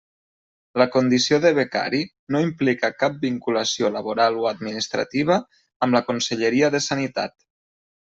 La condició de becari no implica cap vinculació laboral o administrativa amb la Conselleria de Sanitat.